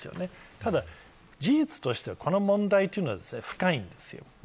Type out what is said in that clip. ただ、事実としてこの問題は深いんですよ。